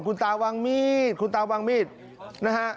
คุณตาวางมีดคุณตาวางมีดนะฮะ